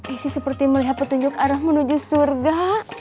isi seperti melihat petunjuk arah menuju surga